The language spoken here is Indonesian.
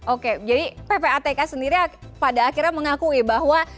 oke jadi ppatk sendiri pada akhirnya mengakui bahwa